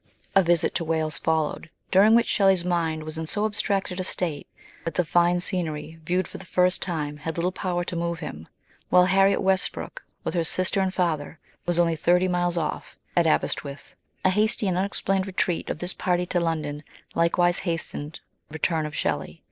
A visit to Wales followed, during which Shelley's mind was in so abstracted a state that the fine scenery, viewed for the first time, had little power to move him, while Harriet Westbrook, with her sister and father, was only thirty miles off at Aberyst with ; a hasty and unexplained retreat of this party to London likewise hastened the return of Shelley.